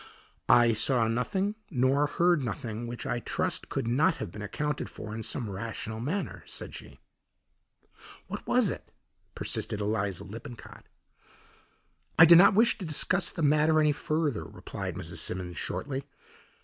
"I saw nothing nor heard nothing which I trust could not have been accounted for in some rational manner," said she. "What was it?" persisted Eliza Lippincott. "I do not wish to discuss the matter any further," replied Mrs. Simmons shortly.